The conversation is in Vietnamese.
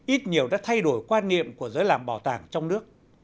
ít nhiều đã thay đổi quan niệm của giới làm bảo tàng trong nước